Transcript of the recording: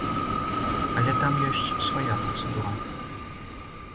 Але там ёсць свая працэдура.